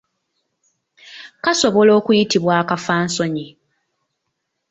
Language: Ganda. Kasobola okuyitibwa akafansonyi.